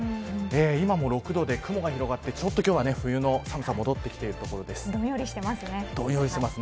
今も６度で雲が広がってちょっと今日は冬の寒さどんよりしてますね。